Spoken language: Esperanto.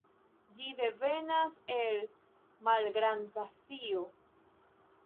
Ĝi devenas el Malgrand-Azio.